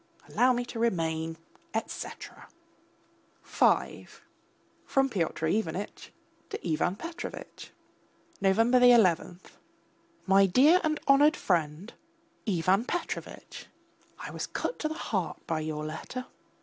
Allow me to remain, etc. V (FROM PYOTR IVANITCH TO IVAN PETROVITCH) November 11. MY DEAR AND HONOURED FRIEND, IVAN PETROVITCH! I was cut to the heart by your letter.